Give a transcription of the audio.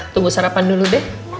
tunggu sarapan dulu deh